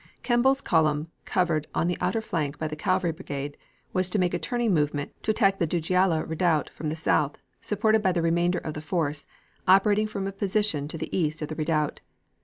Kemball's column covered on the outer flank by the cavalry brigade was to make a turning movement to attack the Dujailah redoubt from the south, supported by the remainder of the force, operating from a position to the east of the redoubt.